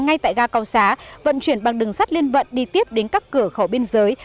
ngay tại ga cao xá vận chuyển bằng đường sắt liên vận đi tiếp đến các cửa khẩu biên giới